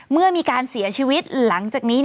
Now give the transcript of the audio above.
เมื่อมีการเสียชีวิตหลังจากนี้